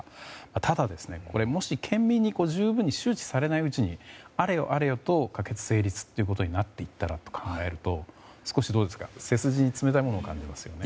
ただ、もし県民に十分に周知されないうちにあれよあれよと可決・成立ということになってたらと考えると少しどうですか、背筋に冷たいものを感じますよね。